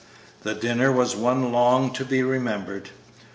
The dinner was one long to be remembered.